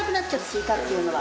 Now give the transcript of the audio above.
イカっていうのは。